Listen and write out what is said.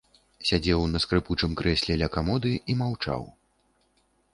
Сядзеў на скрыпучым крэсле каля камоды і маўчаў.